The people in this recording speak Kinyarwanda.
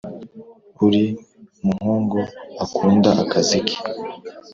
uri muhungu akunda akazi ke